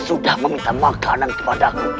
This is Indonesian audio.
sudah meminta makanan kepadaku